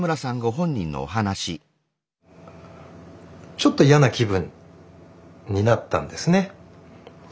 ちょっと嫌な気分になったんですね。